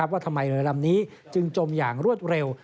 ว่าทำไมเรือลำนี้จึงจมอย่างรวดเร็ว